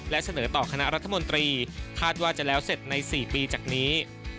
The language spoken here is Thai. และเสนอต่อคณะรัฐมนตรีคาดว่าจะแล้วเสร็จใน๔ปีจากนี้